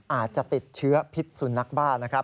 อาจจะติดเชื้อพิษสุนัขบ้านะครับ